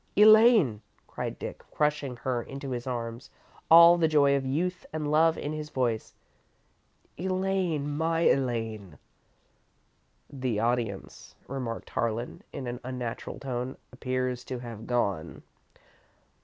"Elaine!" cried Dick, crushing her into his arms, all the joy of youth and love in his voice. "Elaine! My Elaine!" "The audience," remarked Harlan, in an unnatural tone, "appears to have gone.